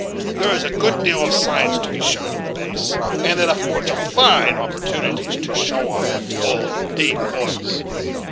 There is a good deal of science to be shown in the bass, and it affords a fine opportunity to show off a full, deep voice.